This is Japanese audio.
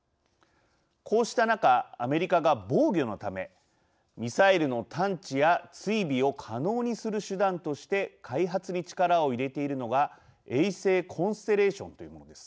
こうした中アメリカが防御のためミサイルの探知や追尾を可能にする手段として開発に力を入れているのが衛星コンステレーションというものです。